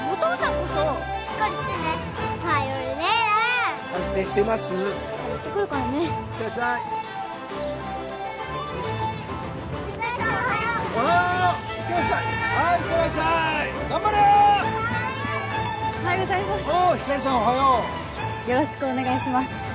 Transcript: うんよろしくお願いします。